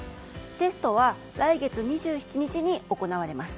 テストは来月２７日に行われます。